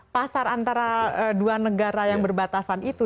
pasar antara dua negara yang berbatasan itu